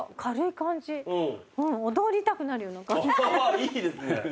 いいですね。